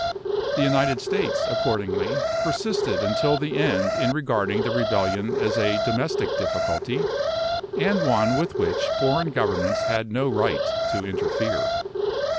The United States, accordingly, persisted until the end in regarding the rebellion as a domestic difficulty, and one with which foreign governments had no right to interfere.